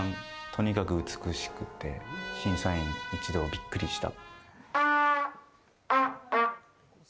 とにかく美しくて、審査員一同ビックリした。